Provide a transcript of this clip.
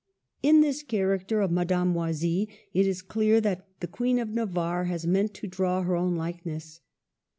In this character of Madame Oisille, it is clear that the Queen of Navarre has meant to draw her own likeness.